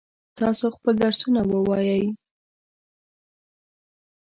تاسو خپل درسونه ووایئ.